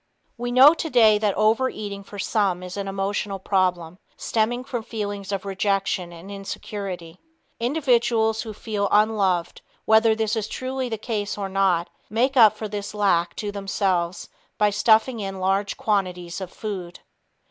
We know today that overeating for some is an emotional problem, stemming from feelings of rejection and insecurity. Individuals who feel unloved, whether this is truly the case or not, make up for this lack to themselves by stuffing in large quantities of food.